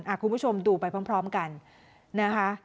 คุณผู้ชมดูไปพร้อมกันนะคะ